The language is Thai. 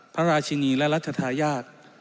พระราชินีและรัฐทายาท